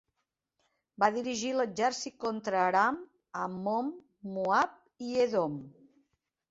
Va dirigir l'exèrcit contra Aram, Ammon, Moab i Edom.